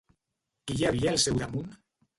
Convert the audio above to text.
Qui hi havia al seu damunt?